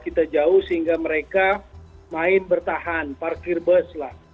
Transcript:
kita jauh sehingga mereka main bertahan parkir bus lah